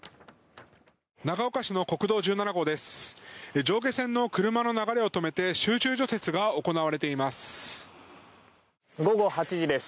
長岡市の国道１７号です。